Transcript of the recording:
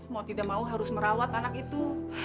mau tidak mau harus merawat anak itu